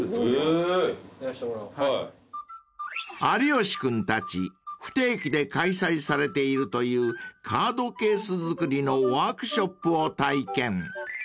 ［有吉君たち不定期で開催されているというカードケース作りのワークショップを体験］